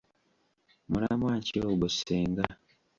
Mulamwa ki ogwo Ssenga?